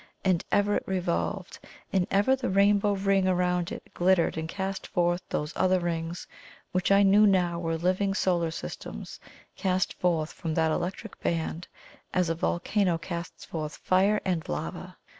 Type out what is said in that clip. And ever it revolved and ever the Rainbow Ring around it glittered and cast forth those other rings which I knew now were living solar systems cast forth from that electric band as a volcano casts forth fire and lava.